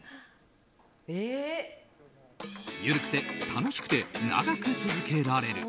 緩くて、楽しくて長く続けられる。